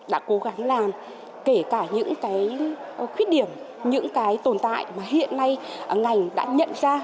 đã cố gắng làm kể cả những cái khuyết điểm những cái tồn tại mà hiện nay ngành đã nhận ra